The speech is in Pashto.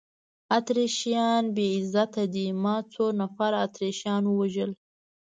اتریشیان بې غیرته دي، ما څو نفره اتریشیان ووژل؟